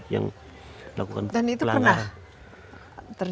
yang melakukan pelanggaran